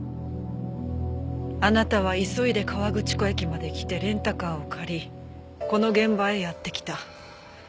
あなたは急いで河口湖駅まで来てレンタカーを借りこの現場へやって来た。